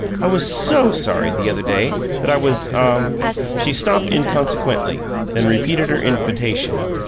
I was SO sorry, the other day, that I was ah " She stopped inconsequently, then repeated her invitation.